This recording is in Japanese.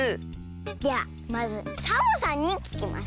ではまずサボさんにききます。